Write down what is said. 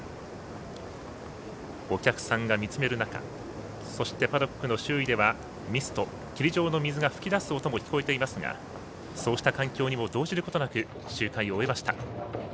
お客さんが見つめる中そして、パドックの周囲ではミスト、霧状の水がふき出す音が聞こえていますがそうした環境にも動じることなく周回を終えました。